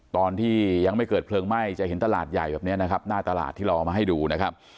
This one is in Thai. ตอนที่ยังไม่เกิดเพลิงไหม้จะเห็นตลาดใหญ่แบบนี้นะครับหน้าตลาดที่เราเอามาให้ดูนะครับ